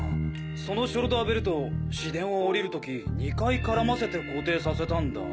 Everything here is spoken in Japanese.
そのショルダーベルト市電を降りる時２回からませて固定させたんだ。